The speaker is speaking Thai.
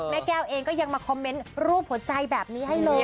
แม่แก้วเองก็ยังมาคอมเมนต์รูปหัวใจแบบนี้ให้เลย